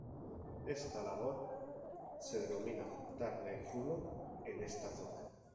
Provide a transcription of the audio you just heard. Esta labor se denomina "dar de rulo" en esta zona.